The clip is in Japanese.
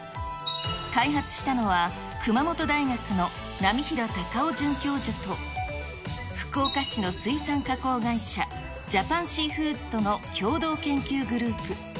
開発したのは、熊本大学の浪平たかお准教授と、福岡市の水産加工会社、ジャパンシーフーズとの共同研究グループ。